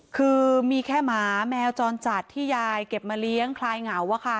คือมีแค่หมาแมวจรจัดที่ยายเก็บมาเลี้ยงคลายเหงา